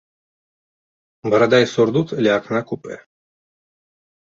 Барада і сурдут ля акна купе.